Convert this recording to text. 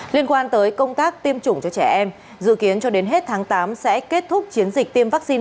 liên quan tới công tác tiêm chủng cho trẻ em dự kiến cho đến hết tháng tám sẽ kết thúc chiến dịch tiêm vaccine